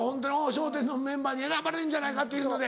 『笑点』のメンバーに選ばれんじゃないかっていうので。